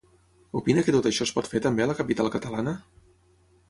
Opina que tot això es pot fer també a la capital catalana?